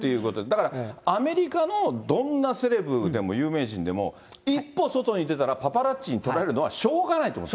だからアメリカのどんなセレブでも有名人でも、一歩外に出たらパパラッチに撮られるのはしょうがないということ。